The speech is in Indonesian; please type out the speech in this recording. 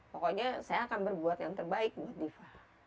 pokoknya saya akan berbuat yang terbaik buat diva